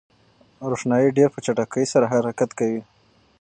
روښنايي ډېر په چټکۍ سره حرکت کوي.